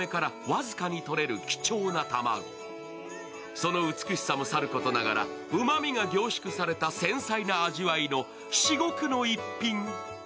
その美しさもさることながらうまみが凝縮された繊細な味わいの至極の逸品。